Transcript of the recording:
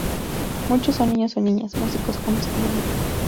Muchos son niños o niñas, músicos, hombres con bebida.